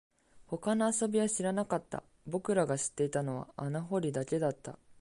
他の遊びは知らなかった、僕らが知っていたのは穴掘りだけだった